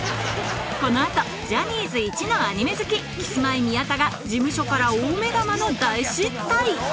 この後ジャニーズいちのアニメ好きキスマイ・宮田が事務所から大目玉の大失態